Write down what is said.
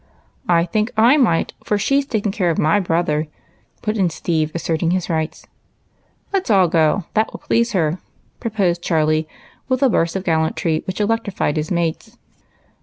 " I think I might, for she 's taking care of my brother," put in Steve, asserting his rights. " Let 's all go ; that wdll please her," proposed Charlie, with a burst of gallantry which electrified his mates.